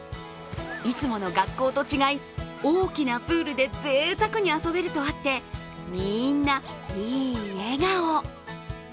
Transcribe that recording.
いつもの学校と違い、大きなプールでぜいたくに遊べるとあってみんな、いい笑顔。